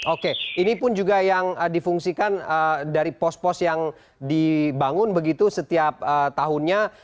oke ini pun juga yang difungsikan dari pos pos yang dibangun begitu setiap tahunnya